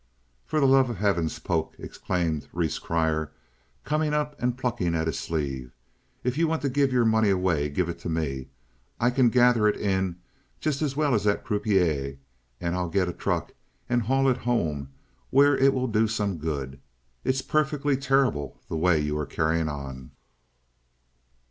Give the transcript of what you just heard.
"For the love of heavens, Polk!" exclaimed Rhees Grier, coming up and plucking at his sleeve; "if you want to give your money away give it to me. I can gather it in just as well as that croupier, and I'll go get a truck and haul it home, where it will do some good. It's perfectly terrible the way you are carrying on."